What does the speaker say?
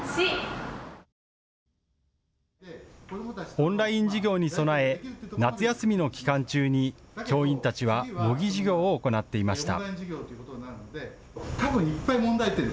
オンライン授業に備え、夏休みの期間中に教員たちは模擬授業を行っていました。